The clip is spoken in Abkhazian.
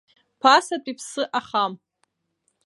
Ԥасатәи ԥсы ахам.